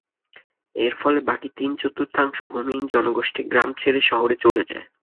এর ফলে বাকি তিন-চতুর্থাংশ ভূমিহীন জনগোষ্ঠী গ্রাম ছেড়ে শহরে চলে যায়।